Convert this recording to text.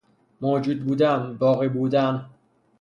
موجود بودن، باقی بودن